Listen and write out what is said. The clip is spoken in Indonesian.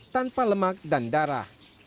tanpa lemak dan darah